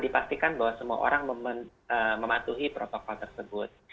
dipastikan bahwa semua orang mematuhi protokol tersebut